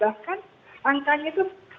bahkan angkanya itu